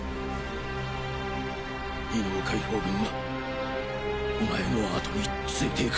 異能解放軍はおまえの後についていく。